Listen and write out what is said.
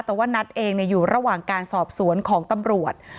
แต่ว่านัทเองอยู่ระหว่างการสอบสวนของตำรวจ